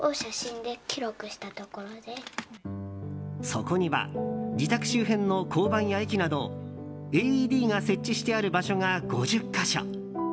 そこには自宅周辺の交番や駅などＡＥＤが設置してある場所が５０か所。